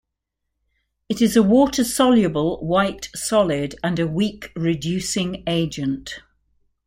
It is a water-soluble white solid and a weak reducing agent.